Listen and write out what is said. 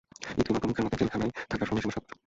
ইকরিমা প্রমুখের মতে, জেলখানায় থাকার সময়সীমা সাত বছর।